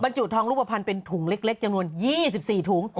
จุทองรูปภัณฑ์เป็นถุงเล็กจำนวน๒๔ถุง